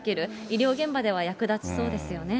医療現場では役立ちそうですよね。